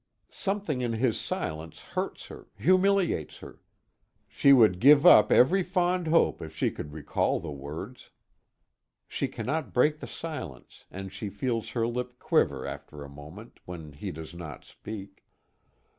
Something in his silence hurts her, humiliates her. She would give up every fond hope if she could recall the words. She cannot break the silence, and she feels her lip quiver after a moment, when he does not speak.